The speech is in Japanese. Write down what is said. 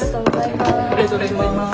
ありがとうございます。